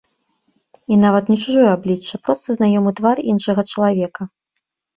І нават не чужое аблічча, проста знаёмы твар іншага чалавека.